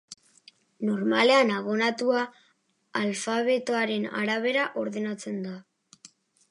Normalean abonatua alfabetoaren arabera ordenatzen da.